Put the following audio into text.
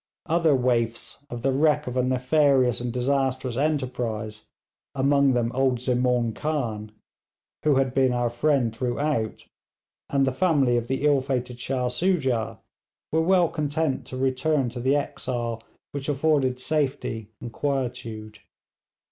Other waifs of the wreck of a nefarious and disastrous enterprise, among them old Zemaun Khan, who had been our friend throughout, and the family of the ill fated Shah Soojah, were well content to return to the exile which afforded safety and quietude.